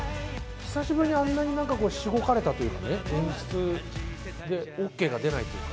久しぶりにあんなに、しごかれたというかね、演出でＯＫが出ないというか。